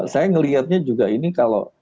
saya melihatnya juga ini kalau